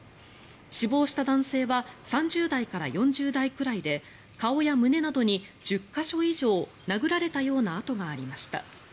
死亡した男性は３０代から４０代くらいで顔や胸などに１０か所以上殴られたような痕がありました。